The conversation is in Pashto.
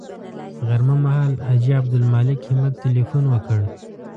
غرمه مهال حاجي عبدالمالک همت تیلفون وکړ.